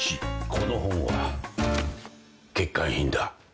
この本は欠陥品だ。